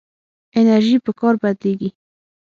انرژي په کار بدلېږي.